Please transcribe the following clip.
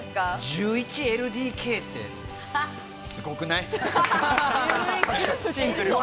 １１ＬＤＫって、すごくない？